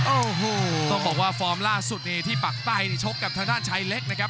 โอ้โหต้องบอกว่าฟอร์มล่าสุดนี้ที่ปากใต้นี่ชกกับทางด้านชายเล็กนะครับ